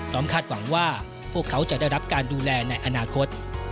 คาดหวังว่าพวกเขาจะได้รับการดูแลในอนาคต